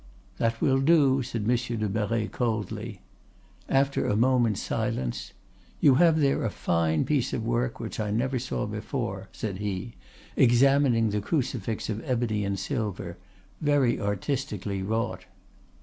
"'That will do,' said Monsieur de Merret coldly. After a moment's silence: 'You have there a fine piece of work which I never saw before,' said he, examining the crucifix of ebony and silver, very artistically wrought.